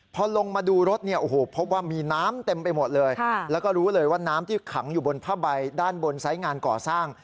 พอลงมาดูรถเนี่ยโอ้โหพบว่ามีน้ำเต็มไปหมดเลยแล้วก็รู้เลยว่าน้ำที่ขังอยู่บนผ้าใบด้านบนไซส์งานก่อสร้าง